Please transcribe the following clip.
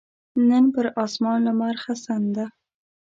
نن پر اسمان لمرغسن ده